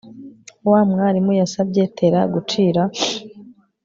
Wa mwarimu yasabye Terra gucira